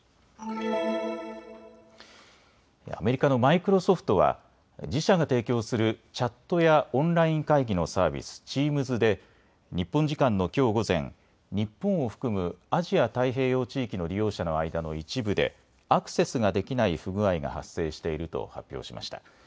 アメリカのマイクロソフトは自社が提供するチャットやオンライン会議のサービス、チームズで日本時間のきょう午前、日本を含むアジア太平洋地域の利用者の間の一部でアクセスができない不具合が発生していると発表しました。